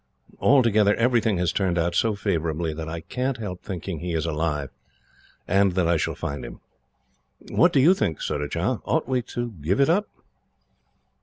Altogether everything has turned out so favourably, that I can't help thinking he is alive, and that I shall find him. "What do you think, Surajah? Ought we to give it up?"